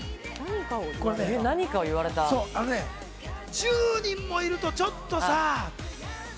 １０人もいると、ちょっとさぁ。